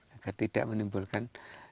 agar tidak menimbulkan